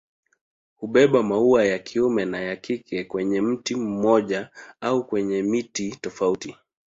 Hubeba maua ya kiume na ya kike kwenye mti mmoja au kwenye miti tofauti.